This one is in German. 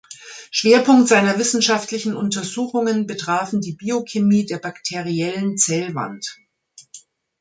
Schwerpunkt seiner wissenschaftlichen Untersuchungen betrafen die Biochemie der bakteriellen Zellwand.